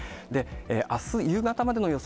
あす夕方までの予想